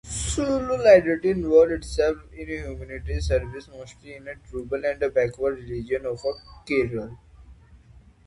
Solidarity involves itself in humanitarian services, mostly in tribal and backward regions of Kerala.